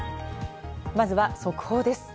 まずは速報です。